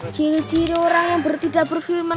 ciri ciri orang yang bertidak berfilman